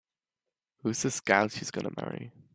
Who's this gal she's gonna marry?